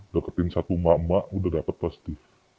deketin satu emak emak udah dapat pasti